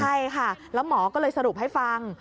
ใช่ค่ะแล้วหมอก็เลยสรุปให้ฟัง